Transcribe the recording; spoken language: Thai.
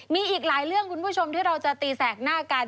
มีอีกหลายเรื่องคุณผู้ชมที่เราจะตีแสกหน้ากัน